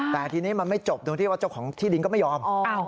แต่ทีนี้มันไม่จบตรงที่ว่าเจ้าของที่ดินก็ไม่ยอม